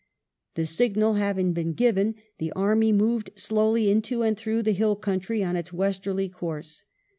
The signal having been given, the army moved slowly into and through the hill country on its westerly course.